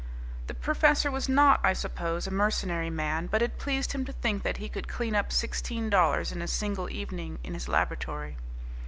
The professor was not, I suppose, a mercenary man, but it pleased him to think that he could, clean up sixteen dollars in a single evening in his laboratory.